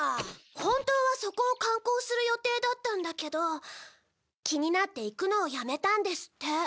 本当はそこを観光する予定だったんだけど気になって行くのをやめたんですって。